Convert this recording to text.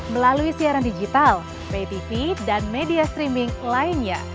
melalui siaran digital pay tv dan media streaming lainnya